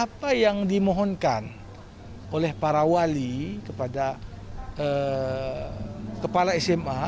apa yang dimohonkan oleh para wali kepada kepala sma